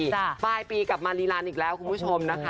มันก่อนแอร์ต้นปีป้ายปีกลับมารีลานด์อีกแล้วคุณผู้ชมนะคะ